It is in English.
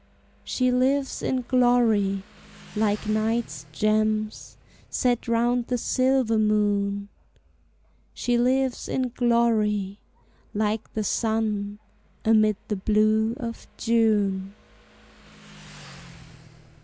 She lives in glory, like night's gems Set round the silver moon; She lives in glory, like the sun Amid the blue of June.